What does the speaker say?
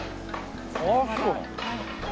ああそう。